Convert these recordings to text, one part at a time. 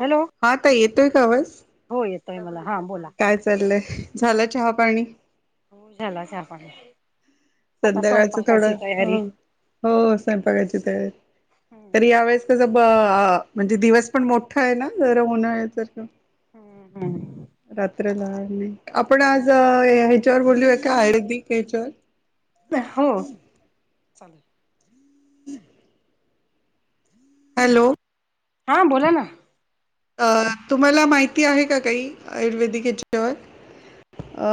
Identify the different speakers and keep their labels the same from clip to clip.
Speaker 1: Hello
Speaker 2: हाताईयेतोय का आवाज
Speaker 1: हो येतोय मला हां बोला हो
Speaker 2: काय चाललंय झालं चहा पाणी
Speaker 1: झाला चहा पाणिआता
Speaker 2: संध्याकाळचं
Speaker 1: स्वयंपाकाची
Speaker 2: थोडं ह
Speaker 1: तयारी
Speaker 2: हो स्वयंपाकायची तयारी तर यावेेळेस कस ब म्हणजे दिवस पण मोठा आहे ना तर उन्हाळ्या सारख
Speaker 1: हम्म हम्
Speaker 2: रात्रला आपण आज ह्याच्यावर बोलूय का आयुर्वेदिक ह्याच्यावर
Speaker 1: हो चालेल
Speaker 2: हम् हॅलो
Speaker 1: हां बोला ना
Speaker 2: अ तुम्हाला माहिती आहे का काही आयुर्वेदिक याच्याच्यावर अ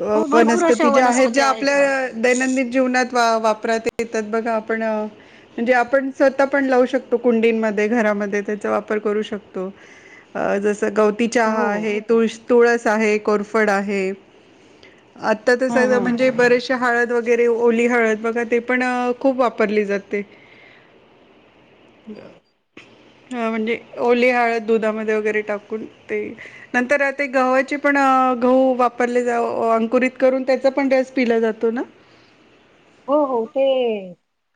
Speaker 2: अ
Speaker 1: हो भरपूर अशा
Speaker 2: वनस्पती ज्या आहेत
Speaker 1: वनस्पती
Speaker 2: ज्या आपल्या
Speaker 1: ना
Speaker 2: दैनंदिन जीवनात वा वापरात येतात बघा आपण म्हणजे आपण स्वतः पण लावू शकतो कुंडींमध्ये घरामध्ये त्याचा वापर करू शकतो अ जसं गवती चहा
Speaker 1: हो
Speaker 2: आहे तुळ तुळस आहे कोरफड फडआहे आता
Speaker 1: हम् हम
Speaker 2: तसे बरेचशे हळद वगैरे ओली हळद बघा ते पण खूप वापरली जाते हा म्हणजे ओली हळद दुधामध्ये वगैरे टाकून ते नंतर आता गव्हाची पण अ गहू वापरले जा अंकुरित करून त्याचा पण रस पिला जातो ना
Speaker 1: हो हो ते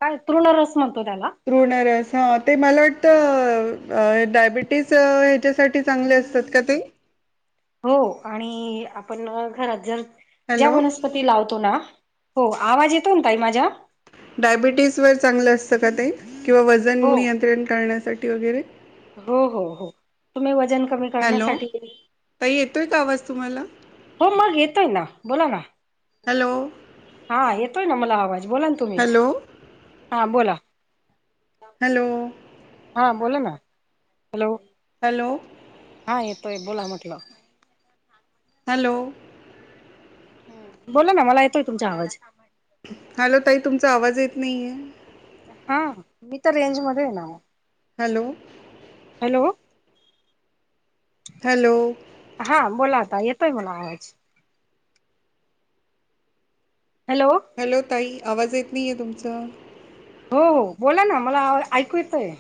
Speaker 1: काय तृणरस म्हणतो त्याला
Speaker 2: ्रुणरस हा ते मला वाटतं अ डायबिटीस ह्याच्यासाठी चांगले असतात का ते
Speaker 1: हो आणि आपण घरात जर ज्या
Speaker 2: हॅलो
Speaker 1: वणस तीलावतो ना हो आवाज येतो ना ताई माझा
Speaker 2: डायबिटीज वर चांगलं असतं का ते किंवा वजन
Speaker 1: हो
Speaker 2: नियंत्रण करण्यासाठी वगैरे
Speaker 1: हो हो हो तुम्ही वजन कमी
Speaker 2: हॅलो
Speaker 1: करण्यासाठी
Speaker 2: ताई येतोय का आवाज तुम्हाला
Speaker 1: हो मग येतोय ना बोला ना.
Speaker 2: हॅलो!
Speaker 1: हा येतोय ना मला आवाज बोला ना तुम्ही
Speaker 2: हॅलो
Speaker 1: हा बोला.
Speaker 2: हॅलो!
Speaker 1: हा बोला ना. हॅलो!
Speaker 2: हॅलो!
Speaker 1: हा येतोय बोला म्हटलं.
Speaker 2: हॅलो!
Speaker 1: ह बोला ना मला येतोय तुमचा आवाज.
Speaker 2: हॅलो ताई तुमचा आवाज येत नाहीये.
Speaker 1: हा मी तर रेंजमध्येध्ये‌.
Speaker 2: हॅलो!
Speaker 1: हॅलो!
Speaker 2: हॅलो!
Speaker 1: हा बोला आता येतोय मला आवाज. हॅलो!
Speaker 2: हॅलो ताई आवाज येत नाही आहे तुमचां.
Speaker 1: हो हो बोला ना मला ऐकू येतंय.